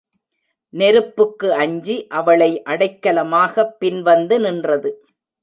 நெருப்புக்கு அஞ்சி அவளை அடைக்கலமாகப் பின் வந்து நின்றது.